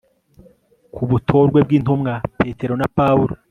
ku butorwe bw'intumwa petero na paulo